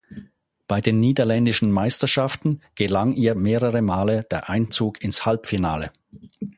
Bei den niederländischen Meisterschaften gelang ihr mehrere Male der Einzug ins Halbfinale.